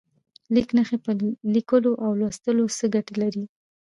لیک نښې په لیکلو او لوستلو کې څه ګټه لري؟